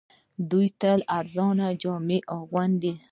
دوی تل ارزانه جامې اغوندي